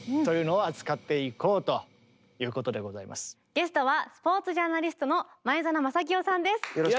ゲストはスポーツジャーナリストの前園真聖さんです。